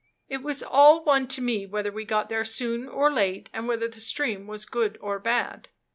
It was all one to me whether we got there soon or late and whether the stream was good or bad.